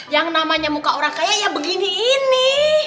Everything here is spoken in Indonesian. yang namanya muka orang kaya ya begini ini